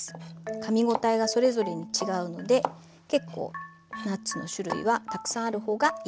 かみ応えがそれぞれに違うので結構ナッツの種類はたくさんある方がいいと思います。